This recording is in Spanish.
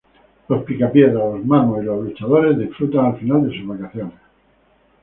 Los Picapiedra, los Mármol y los luchadores disfrutan al final de sus vacaciones.